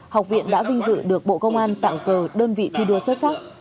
học viện đã vinh dự được bộ công an tặng cờ đơn vị thi đua xuất sắc